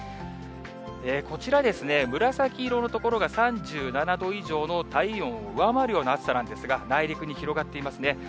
こちらですね、紫色の所が３７度以上の体温を上回るような暑さなんですが、内陸に広がっていますね。